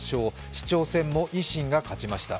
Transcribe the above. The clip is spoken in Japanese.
市長選も維新が勝ちました。